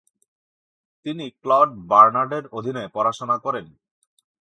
তিনি ক্লড বার্নার্ডের অধীনে পড়াশোনা করেন।